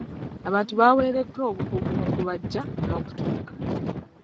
Abantu baweereddwa obukugu mu kubajja n'okutunga.